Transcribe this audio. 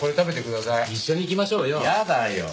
一緒に行きましょうよ。